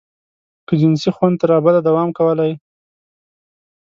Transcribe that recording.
که جنسي خوند تر ابده دوام کولای.